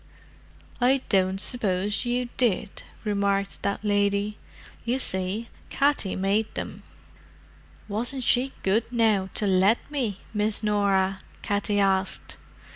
"I don't suppose you did," remarked that lady. "You see, Katty made them." "Wasn't she good, now, to let me, Miss Norah?" Katty asked.